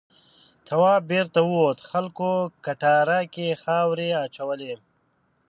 تواب بېرته ووت خلکو کټاره کې خاورې اچولې.